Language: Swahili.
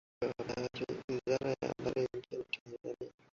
Hata hivyo wizara ya habari nchini Tanzania